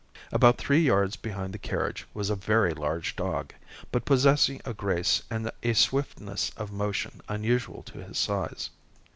About three yards behind the carriage was a very large dog, but possessing a grace and a swiftness of motion unusual to his size.